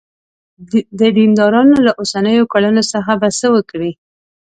د دیندارانو له اوسنیو کړنو سره به څه وکړې.